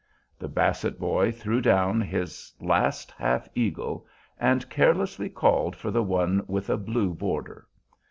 The Basset boy threw down his last half eagle and carelessly called for the one with a blue border.